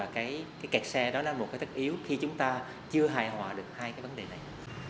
cái kẹt xe đó là một cái tất yếu khi chúng ta chưa hài hòa được hai cái vấn đề này